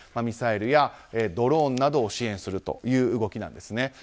ミサイルやドローンなどを支援するという動きです。